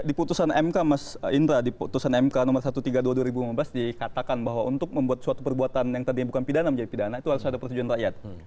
di putusan mk mas indra di putusan mk nomor satu ratus tiga puluh dua dua ribu lima belas dikatakan bahwa untuk membuat suatu perbuatan yang tadinya bukan pidana menjadi pidana itu harus ada persetujuan rakyat